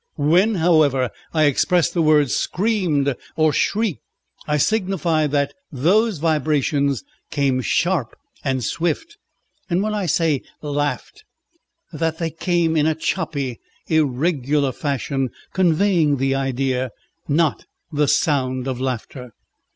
When, however, I express the words "screamed" or "shrieked," I signify that those vibrations came sharp and swift; and when I say "laughed," that they came in a choppy, irregular fashion, conveying the idea, not the sound of laughter.